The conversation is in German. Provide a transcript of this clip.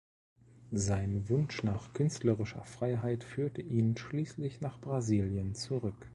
Sein Wunsch nach künstlerischer Freiheit führte ihn schließlich nach Brasilien zurück.